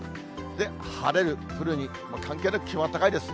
で、晴れる、降るに関係なく気温は高いです。